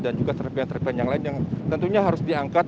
dan juga serpian serpian yang lain yang tentunya harus diangkat